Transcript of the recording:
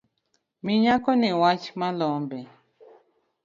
Mi nyakoni wach malombe